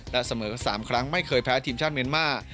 และเสมอ๓ครั้งไม่เคยแพ้ทีมชาติเมียนมาร์